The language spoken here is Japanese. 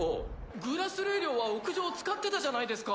グラスレー寮は屋上使ってたじゃないですか。